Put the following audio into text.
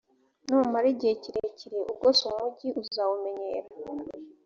numara igihe kirekire ugose umugi uzawumenyera,